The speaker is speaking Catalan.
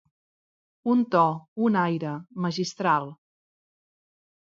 Un to, un aire, magistral.